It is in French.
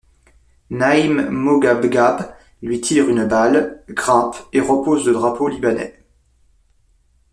Naim Moghabghab lui tire une balle, grimpe et repose le drapeau libanais.